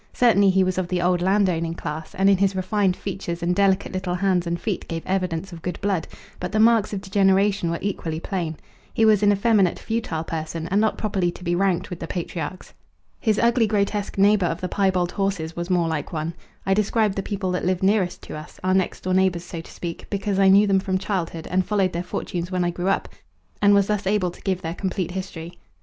Certainly he was of the old landowning class, and in his refined features and delicate little hands and feet gave evidence of good blood, but the marks of degeneration were equally plain; he was an effeminate, futile person, and not properly to be ranked with the patriarchs. His ugly grotesque neighbour of the piebald horses was more like one. I described the people that lived nearest to us, our next door neighbours so to speak, because I knew them from childhood and followed their fortunes when I grew up, and was thus able to give their complete history.